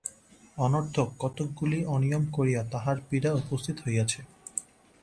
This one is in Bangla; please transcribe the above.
অনর্থক কতকগুলা অনিয়ম করিয়া তাহার পীড়া উপস্থিত হইয়াছে।